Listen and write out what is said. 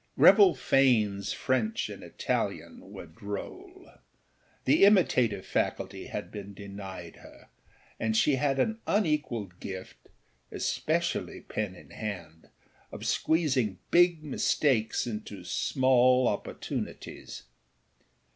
Greville Faneâs French and Italian were droll; the imitative faculty had been denied her, and she had an unequalled gift, especially pen in hand, of squeezing big mistakes into small opportunities.